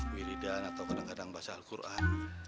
wiridan atau kadang kadang bahasa al qur'an